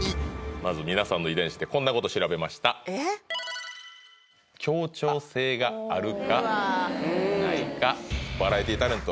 まず皆さんの遺伝子でこんなこと調べました協調性があるかないかバラエティーそうっすね